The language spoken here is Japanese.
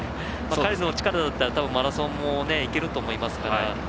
彼の力だったら、マラソンもいけると思いますから。